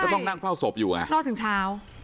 ต้องนั่งเฝ้าศพอยู่ไงรอดถึงเช้า